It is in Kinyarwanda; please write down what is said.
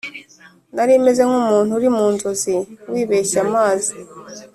Nari meze nk'umuntu uri mu nzozi wibeshye amazi